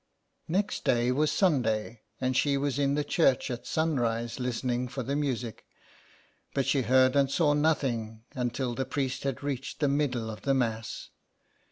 Next day was Sunday, and she was in the church at sunrise listening for the music. But she heard and saw nothing until the priest had reached the middle of the Mass.